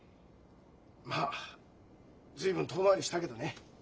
まっ随分遠回りしたけどね。